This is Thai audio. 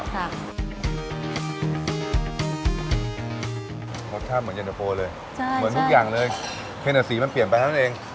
รสชาติเหมือนเย็นตะโฟเลยเหมือนทุกอย่างเลยเพียงแต่สีมันเปลี่ยนไปเท่านั้นเอง